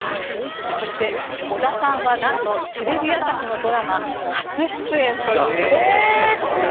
そして織田さんはなんとテレビ朝日のドラマありがとうございます。